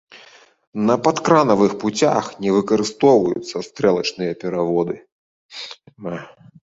На падкранавых пуцях не выкарыстоўваюцца стрэлачныя пераводы.